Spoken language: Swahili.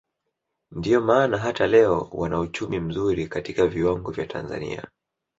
Ndio maana hata leo wana uchumi mzuri katika viwango vya Tanzania